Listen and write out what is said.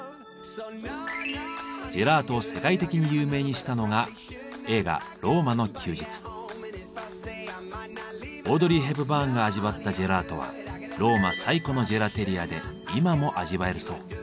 ジェラートを世界的に有名にしたのがオードリー・ヘプバーンが味わったジェラートはローマ最古のジェラテリアで今も味わえるそう。